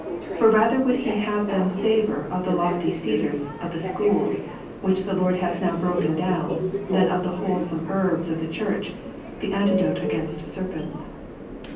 For rather would he have them savour of the lofty cedars of the Schools, which the Lord Ps. 29,5. hath now broken down, than of the wholesome herbs of the Church, the antidote against serpents.